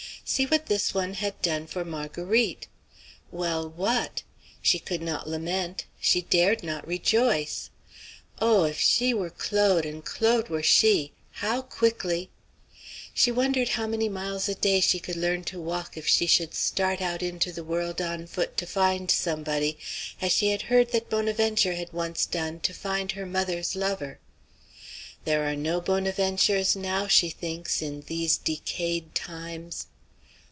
See what this one had done for Marguerite! Well, what? She could not lament; she dared not rejoice. Oh! if she were Claude and Claude were she, how quickly She wondered how many miles a day she could learn to walk if she should start out into the world on foot to find somebody, as she had heard that Bonaventure had once done to find her mother's lover. There are no Bonaventures now, she thinks, in these decayed times.